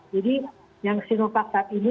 jadi yang sinopak saat ini